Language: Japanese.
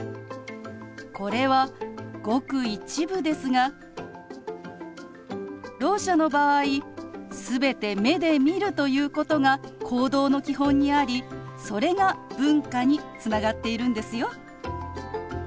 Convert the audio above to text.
これはごく一部ですがろう者の場合全て目で見るということが行動の基本にありそれが文化につながっているんですよ。